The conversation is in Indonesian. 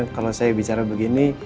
kalau saya bicara begini